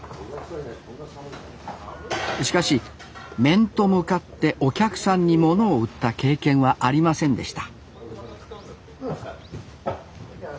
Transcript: しかし面と向かってお客さんにものを売った経験はありませんでした